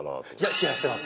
冷やしてます